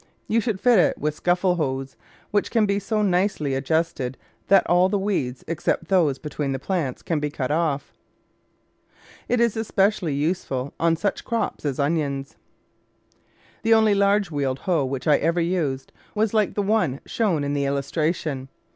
You should fit it with scuffle hoes, which can be so nicely ad justed that all the weeds except those between the plants can be cut off. It is especially useful on such crops as onions. The only large wheeled hoe which I ever used was hke the one shown in the illustration.